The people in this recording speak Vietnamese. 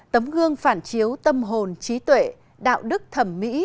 tấm gương phản chiếu tâm hồn trí tuệ đạo đức thẩm mỹ